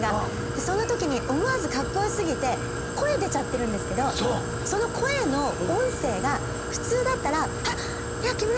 そのときにカッコ良過ぎて声出ちゃってるんですけどその声の音声が普通だったら。